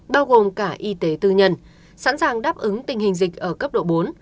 bao gồm cả y tế tư nhân sẵn sàng đáp ứng tình hình dịch ở cấp độ bốn